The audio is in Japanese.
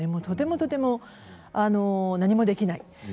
とてもとても何もできない。